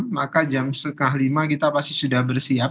maka jam setengah lima kita pasti sudah bersiap